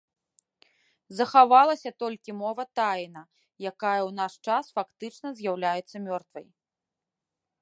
Захавалася толькі мова таіна, якая ў наш час фактычна з'яўляецца мёртвай.